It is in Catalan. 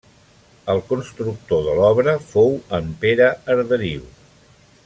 El constructor de l'obra fou en Pere Arderiu.